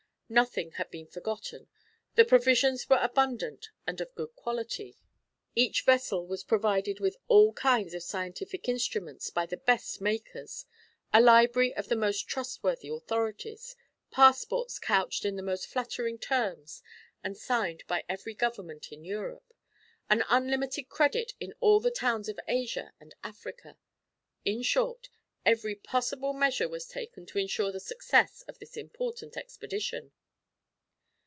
Nothing had been forgotten, the provisions were abundant and of good quality; each vessel was provided with all kinds of scientific instruments by the best makers, a library of the most trustworthy authorities, passports couched in the most flattering terms and signed by every government in Europe, and unlimited credit in all the towns of Asia and Africa. In short, every possible measure was taken to ensure the success of this important expedition.